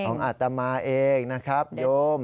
อัตมาเองนะครับโยม